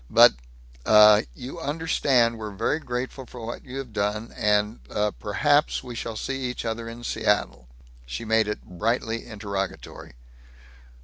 But, uh, you understand we're very grateful for what you have done and, uh, perhaps we shall see each other in Seattle?" She made it brightly interrogatory.